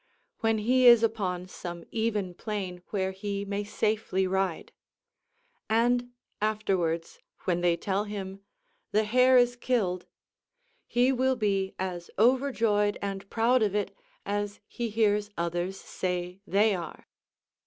when he is upon some even plain where he may safely ride; and afterwards, when they tell him, "The hare is killed," he will be as overjoyed and proud of it as he hears others say they are.